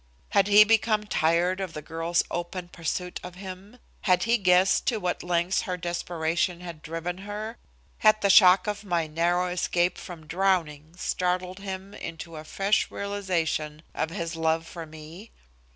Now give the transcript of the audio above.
Had he become tired of the girl's open pursuit of him? Had he guessed to what lengths her desperation had driven her? Had the shock of my narrow escape from drowning startled him into a fresh realization of his love for me?